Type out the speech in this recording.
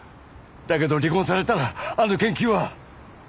だけど離婚されたらあの研究は。